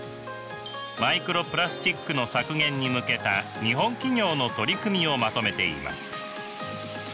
マイクロプラスチックの削減に向けた日本企業の取り組みをまとめています。